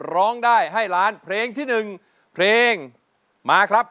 ร้องได้ให้ล้านเพลงที่๑เพลงมาครับ